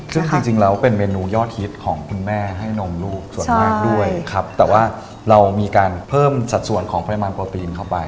ซึ่งจริงแล้วเป็นเมนูยอดฮิตของคุณแม่ให้นมลูกส่วนมากด้วยครับแต่ว่าเรามีการเพิ่มสัดส่วนของปริมาณโปรตีนเข้าไป